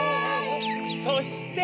そして。